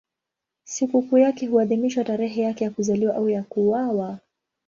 Sikukuu yake huadhimishwa tarehe yake ya kuzaliwa au ya kuuawa.